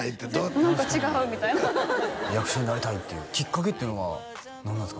何か違うみたいな役者になりたいっていうきっかけっていうのは何なんですか？